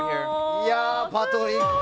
いやパトリック